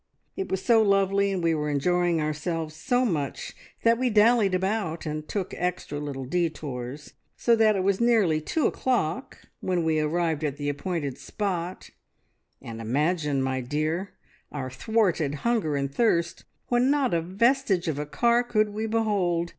It was so lovely and we were enjoying ourselves so much, that we dallied about, and took extra little detours, so that it was nearly two o'clock when we arrived at the appointed spot, and imagine, my dear, our thwarted hunger and thirst, when not a vestige of a car could we behold!